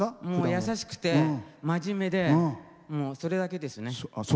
優しくて真面目でそれだけですよね。